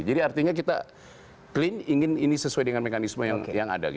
jadi artinya kita clean ingin ini sesuai dengan mekanisme yang ada